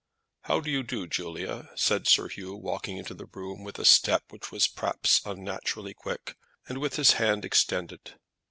"How do you do, Julia?" said Sir Hugh, walking into the room with a step which was perhaps unnaturally quick, and with his hand extended.